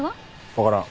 わからん。